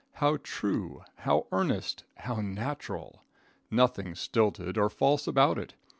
How true, how earnest, how natural! Nothing stilted or false about it.